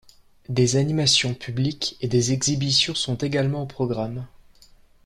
Des animations publiques et des exhibitions sont également au programme.